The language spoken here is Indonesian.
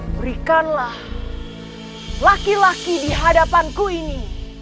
berikanlah laki laki di hadapanku ini